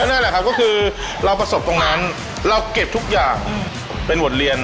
นั่นแหละครับก็คือเราประสบตรงนั้นเราเก็บทุกอย่างเป็นบทเรียน